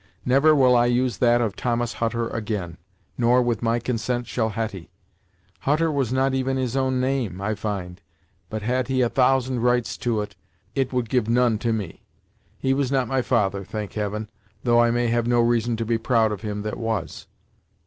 Never will I use that of Thomas Hutter again; nor, with my consent, shall Hetty! Hutter was not even his own name, I find, but had he a thousand rights to it, it would give none to me. He was not my father, thank heaven; though I may have no reason to be proud of him that was!"